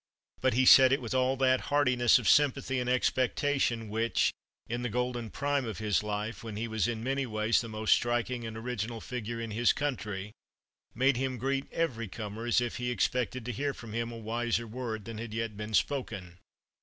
But he said it with all that heartiness of sympathy and expectation which, in the golden prime of his life, when he was in many ways the most striking and original figure in his country, made him greet every comer as if he expected to hear from him a wiser word than had yet been spoken.